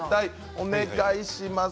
お願いします。